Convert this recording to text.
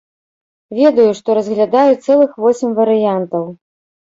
Ведаю, што разглядаюць цэлых восем варыянтаў.